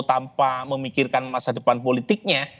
tanpa memikirkan masa depan politiknya